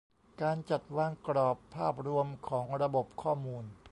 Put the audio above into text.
การจัดวางกรอบภาพรวมของระบบข้อมูล